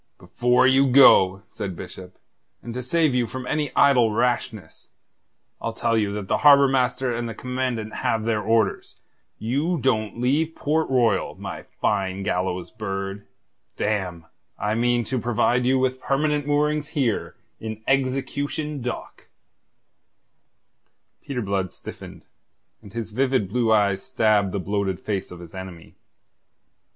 "Before you go," said Bishop, "and to save you from any idle rashness, I'll tell you that the Harbour Master and the Commandant have their orders. You don't leave Port Royal, my fine gallows bird. Damme, I mean to provide you with permanent moorings here, in Execution Dock." Peter Blood stiffened, and his vivid blue eyes stabbed the bloated face of his enemy.